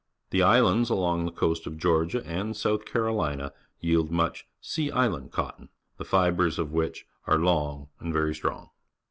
The islands along the coast of Georgia and South Carolina yield much " sea island cotton ," the fibres of which are long and verj strong.